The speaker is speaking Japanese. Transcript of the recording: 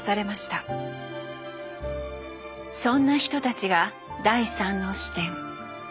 そんな人たちが第３の視点。